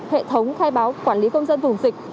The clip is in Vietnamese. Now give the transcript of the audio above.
hệ thống khai báo quản lý công dân vùng dịch